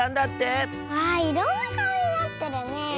わあいろんなかおになってるねえ。